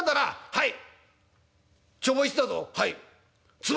「はい」。